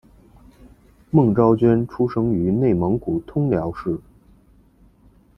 孟昭娟出生于内蒙古通辽市。